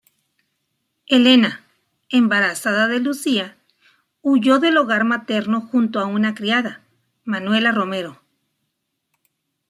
Elena, embarazada de Lucía, huyó del hogar materno junto a una criada, Manuela Romero.